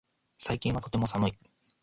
最近はとても寒い